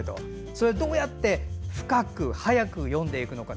それをどうやって深く早く読んでいくのか。